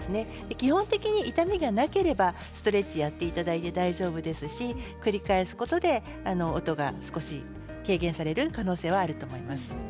基本的に痛みがなければストレッチやっていただいて大丈夫ですし繰り返すことで音が少し軽減される可能性はあると思います。